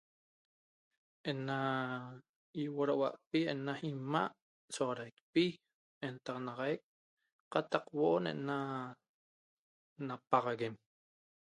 Ena ihuoroguapi ena imaa' soxorecpi entaxanaxaq catac huoo ena ñapaxagueteq